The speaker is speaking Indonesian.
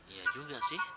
iya juga sih